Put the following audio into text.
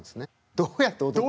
どうやって踊るんだ。